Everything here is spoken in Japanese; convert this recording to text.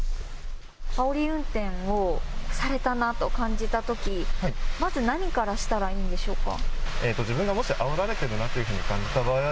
あおり運転をされたなと感じたとき、まず何からしたらいいんでしょうか？